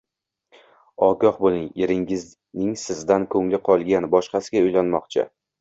Ogoh boʻling, eringizning sizdan koʻngli qolgan, boshqasiga uylanmoqchi